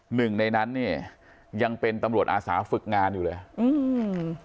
หนึ่งในนั้นเนี่ยยังเป็นตำรวจอาสาฝึกงานอยู่เลยอืม